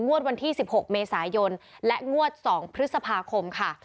วันที่๑๖เมษายนและงวด๒พฤษภาคมค่ะ